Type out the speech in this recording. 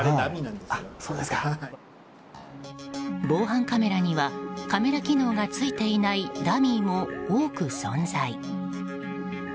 防犯カメラには、カメラ機能がついていないダミーも多く存在。